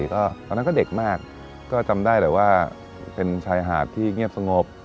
ก็ตอนนั้นก็เด็กมากก็จำได้แหละว่าเป็นชายหาดที่เงียบสงบ